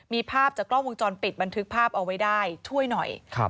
มีภาพจากกล้องวงจรปิดบันทึกภาพเอาไว้ได้ช่วยหน่อย